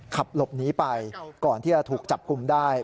ขับหลบหนีไปก่อนที่จะถูกจับกลุ่มได้